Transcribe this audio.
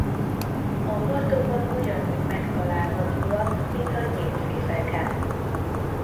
A partokon ugyanúgy megtalálhatóak mint a nyílt vizeken.